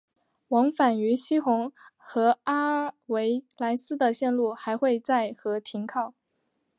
往返于希洪和阿维莱斯的线路还会在和停靠。